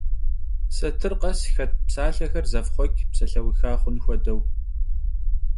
Satır khes xet psalhexer zefxhueç', psalheuxa xhun xuedeu.